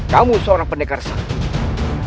kamu seorang pendekar saku